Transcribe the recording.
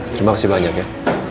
terima kasih banyak ya